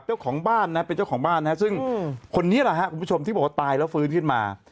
เจ้าของบ้านนะเป็นเจ้าของบ้านนะฮะซึ่งคนนี้แหละครับคุณผู้ชมที่บอกว่าตายแล้วฟื้นขึ้นมา